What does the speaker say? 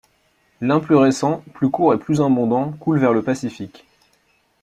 L'un plus récent, plus court et plus abondant, coule vers le Pacifique.